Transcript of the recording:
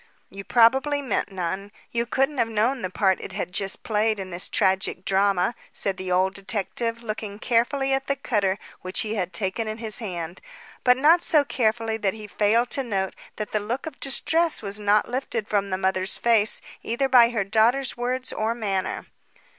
"You probably meant none. You couldn't have known the part it had just played in this tragic drama," said the old detective looking carefully at the cutter which he had taken in his hand, but not so carefully that he failed to note that the look of distress was not lifted from the mother's face either by her daughter's words or manner.